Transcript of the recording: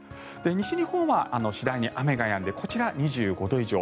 西日本は次第に雨がやんでこちら、２５度以上。